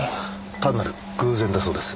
単なる偶然だそうです。